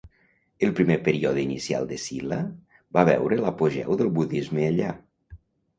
El primer període inicial de Silla va veure l'apogeu del budisme allà.